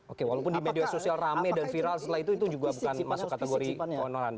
oke walaupun di media sosial rame dan viral setelah itu itu juga bukan masuk kategori keonoran